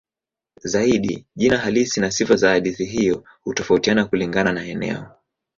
Zaidi jina halisi na sifa za hadithi hiyo hutofautiana kulingana na eneo.